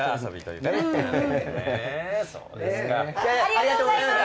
ありがとうございます。